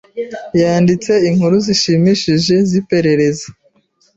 Yanditse inkuru zishimishije ziperereza.